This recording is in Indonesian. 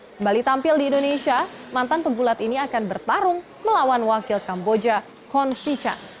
kembali tampil di indonesia mantan penggulat ini akan bertarung melawan wakil kamboja kon picha